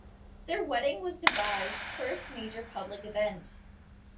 Their wedding was Dubai's first major public event.